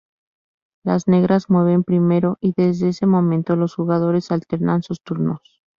Las Negras mueven primero y desde ese momento los jugadores alternan sus turnos.